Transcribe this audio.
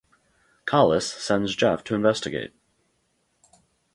Collis sends Jeff to investigate.